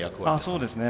あそうですね